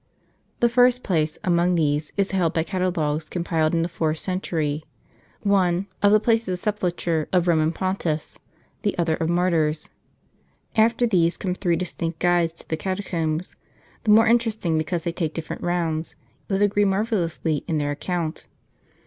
The first place, among these, is held by catalogues compiled in the fourth century; one, of the places of sepulture of Eoman pontiffs, the other of martyrs. t After these come three distinct guides to the catacombs ; the more interesting because they take different rounds, yet agree marvellously in their account.